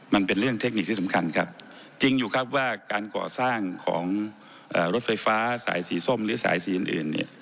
มันเป็นเรื่องเทคนิคที่สำคัญครับจริงอยู่ครับว่าการก่อสร้างของรถไฟฟ้าสายสีส้มหรือสายสีอื่นเนี่ย